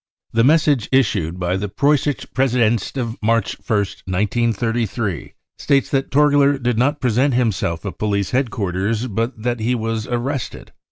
The message issued by the Preussische Pressedienst of March ist, 1933, states that Torgier did not present himself at police headquarters, but that he was arrested.